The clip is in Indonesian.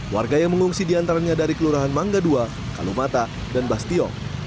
warga yang mengungsi di antaranya dari kelurahan mangga ii kalumata dan bastion